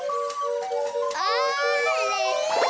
あれ！